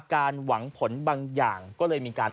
หวังผลบางอย่างก็เลยมีการ